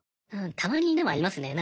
たまにでもありますね。